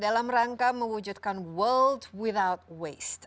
dalam rangka mewujudkan world winout waste